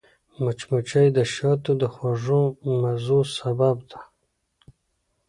مچمچۍ د شاتو د خوږو مزو سبب ده